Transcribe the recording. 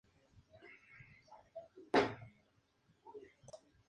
La economía del municipio se basa en la zona rural.